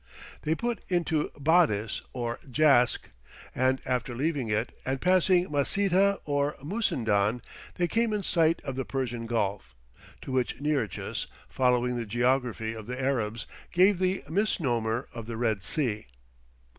They put into Badis or Jask, and after leaving it and passing Maceta or Mussendon, they came in sight of the Persian Gulf, to which Nearchus, following the geography of the Arabs, gave the misnomer of the Red Sea.